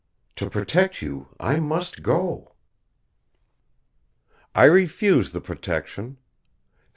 To protect you I must go." "I refuse the protection.